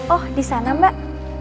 oh di sana mbak